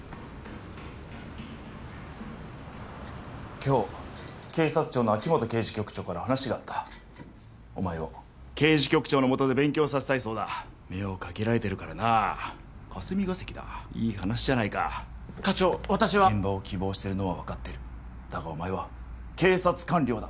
今日警察庁の秋元刑事局長から話があったお前を刑事局長のもとで勉強させたいそうだ目をかけられてるからな霞が関だいい話じゃないか課長私は現場を希望してるのは分かってるだがお前は警察官僚だ！